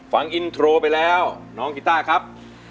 ฟังอินโทรไปแล้วน้องกีต้าครับ